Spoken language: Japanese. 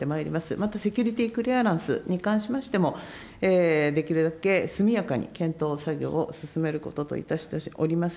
またセキュリティークリアランスに関しましても、できるだけ速やかに検討作業を進めることといたしております。